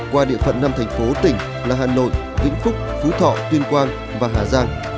qua địa phận năm thành phố tỉnh là hà nội vĩnh phúc phú thọ tuyên quang và hà giang